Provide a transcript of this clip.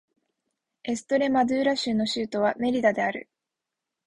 エストレマドゥーラ州の州都はメリダである